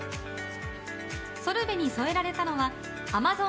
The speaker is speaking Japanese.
ソルベに添えられたのはアマゾン